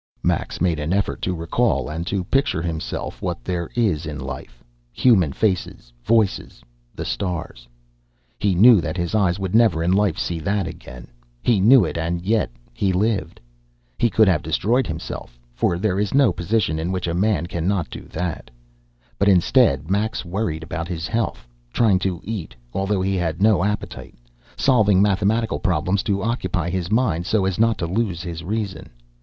Max made an effort to recall and to picture to himself what there is in life; human faces, voices, the stars.... He knew that his eyes would never in life see that again. He knew it, and yet he lived. He could have destroyed himself, for there is no position in which a man can not do that, but instead Max worried about his health, trying to eat, although he had no appetite, solving mathematical problems to occupy his mind so as not to lose his reason.